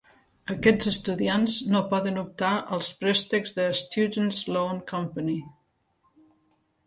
Aquests estudiants no poden optar al préstecs de Students Loan Company.